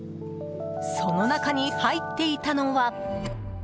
その中に入っていたのは。